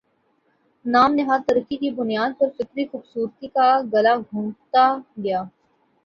نام نہاد ترقی کی بنا پر فطری خوبصورتی کا گلا گھونٹتا گیا